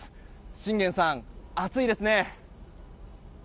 信玄さん、暑いですね。